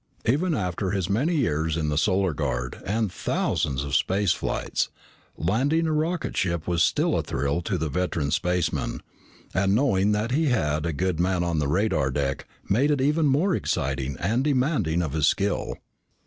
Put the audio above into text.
Even after his many years in the Solar Guard and thousands of space flights, landing a rocket ship was still a thrill to the veteran spaceman, and knowing that he had a good man on the radar deck made it even more exciting and demanding of his skill.